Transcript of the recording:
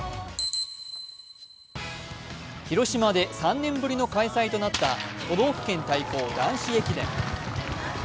広島で３年ぶりの開催となった都道府県対抗男子駅伝。